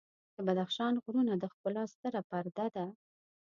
د بدخشان غرونه د ښکلا ستره پرده ده.